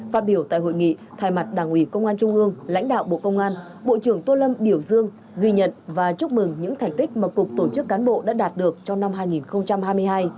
phát biểu tại hội nghị thay mặt đảng ủy công an trung ương lãnh đạo bộ công an bộ trưởng tô lâm biểu dương ghi nhận và chúc mừng những thành tích mà cục tổ chức cán bộ đã đạt được trong năm hai nghìn hai mươi hai